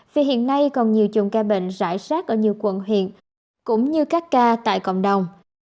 vì hiện nay còn nhiều chùm ca bệnh rải rác ở nhiều quận huyện cũng như các ca tại cộng đồng